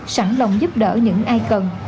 sẵn lòng giúp đỡ những ai cần